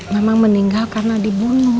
memang meninggal karena dibunuh